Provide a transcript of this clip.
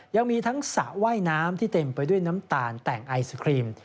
ยังมีทั้งสระว่ายน้ำที่เต็มไปด้วยน้ำตาลแต่งไอศครีม